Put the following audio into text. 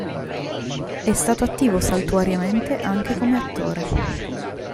È stato attivo saltuariamente anche come attore.